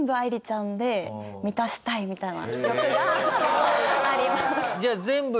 みたいな欲があります。